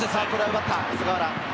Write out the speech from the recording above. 奪った菅原。